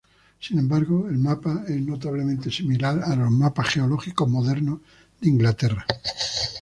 Sin embargo, el mapa es notablemente similar a los mapas geológicos modernos de Inglaterra.